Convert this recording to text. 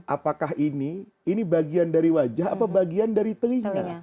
apakah ini bagian dari wajah atau bagian dari telinya